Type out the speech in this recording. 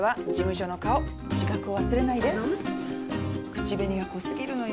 口紅が濃すぎるのよ。